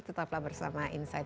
tetaplah bersama insanity